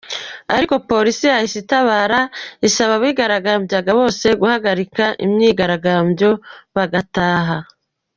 Ariko polisi yahise itabara isaba abigaragambyaga bose guhagarika imyigaragambyo bagataha.